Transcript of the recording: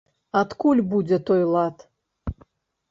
Адкуль будзе той лад?